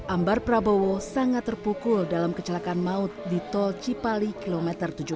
ambar prabowo sangat terpukul dalam kecelakaan maut di tol cipali km tujuh belas